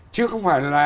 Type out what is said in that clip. chứ không phải là